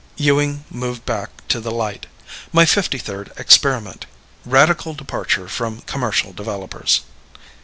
Ewing moved back to the light. "My fifty third experiment. Radical departure from commercial developers."